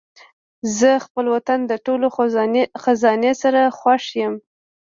زه خپل وطن د ټولو خزانې سره خوښ یم.